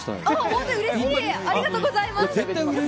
本当、うれしい、ありがとう絶対売れる。